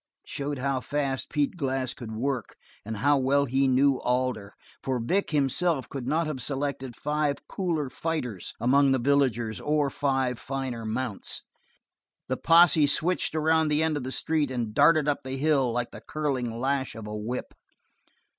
It showed how fast Pete Glass could work and how well he knew Alder, for Vic himself could not have selected five cooler fighters among the villagers or five finer mounts. The posse switched around the end of the street and darted up the hill like the curling lash of a whip.